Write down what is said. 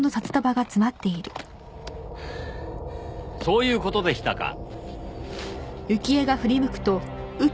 そういう事でしたか。